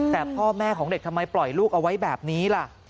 แต่พ่อแม่ของเด็กทำไมปล่อยลูกเอาไว้แบบนี้ล่ะ